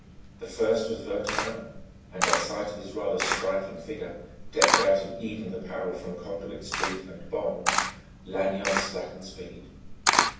The first was Wertheimer; and at sight of his rather striking figure, decked out in evening apparel from Conduit street and Bond, Lanyard slackened speed.